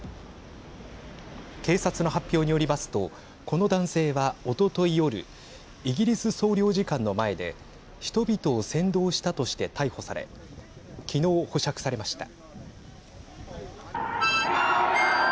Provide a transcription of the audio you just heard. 警察の発表によりますとこの男性は、おととい夜イギリス総領事館の前で人々を扇動したとして逮捕され昨日、保釈されました。